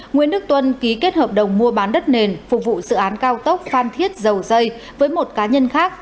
nguyễn đức tuân ký kết hợp đồng mua bán đất nền phục vụ dự án cao tốc phan thiết dầu dây với một cá nhân khác